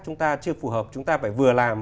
chúng ta chưa phù hợp chúng ta phải vừa làm